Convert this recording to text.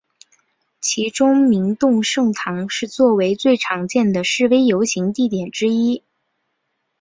其中明洞圣堂是作为最常见的示威游行地点之一。